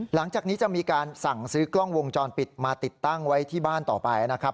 หลังจากนี้จะมีการสั่งซื้อกล้องวงจรปิดมาติดตั้งไว้ที่บ้านต่อไปนะครับ